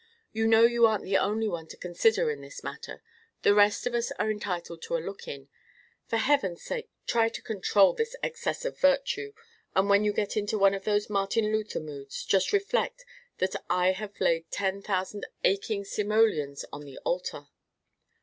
"You know you aren't the only one to consider in this matter; the rest of us are entitled to a look in. For Heaven's sake, try to control this excess of virtue, and when you get into one of those Martin Luther moods, just reflect that I have laid ten thousand aching simoleons on the altar."